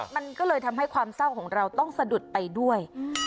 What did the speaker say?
มันก็เลยทำให้ความเศร้าของเราต้องสะดุดไปด้วย